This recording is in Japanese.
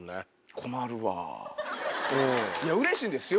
いやうれしいんですよ？